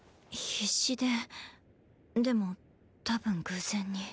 必死ででも多分偶然に。